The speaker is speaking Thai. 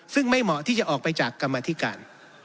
ซึ่งไม่เหมาะที่จะออกไปจากกรรมธิการ